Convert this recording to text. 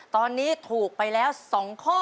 ตอนนี้ถูกไปแล้ว๒ข้อ